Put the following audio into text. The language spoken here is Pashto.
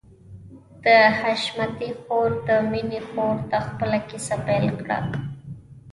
د حشمتي خور د مينې خور ته خپله کيسه پيل کړه.